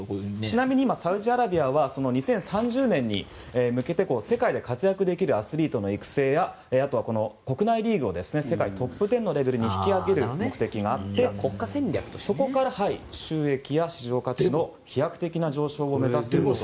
ちなみに今サウジアラビアは２０３０年に向けて世界で活躍できるアスリートの育成やこの国内リーグを世界トップ１０に引き上げる目的があって国家戦略としてそこから収益や市場価値の飛躍的な上昇を目指すということです。